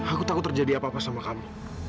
aku takut terjadi apa apa sama kamu